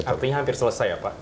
artinya hampir selesai ya pak